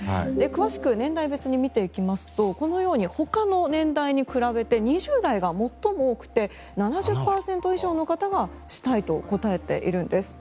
詳しく年代別に見ていきますとこのようにほかの年代に比べて２０代が最も多くて７０％以上の方がしたいと答えているんです。